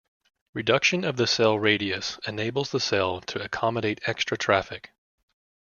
Reduction of the cell radius enables the cell to accommodate extra traffic.